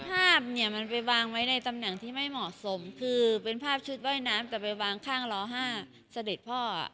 ภาพเนี่ยมันไปวางไว้ในตำแหน่งที่ไม่เหมาะสมคือเป็นภาพชุดว่ายน้ำแต่ไปวางข้างล้อ๕เสด็จพ่อ